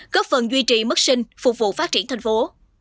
góp phần duy trì mức sinh phục vụ phát triển thành phố